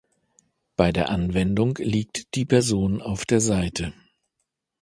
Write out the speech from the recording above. Bei der Anwendung liegt die Person auf der Seite.